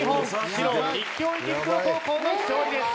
白立教池袋高校の勝利です。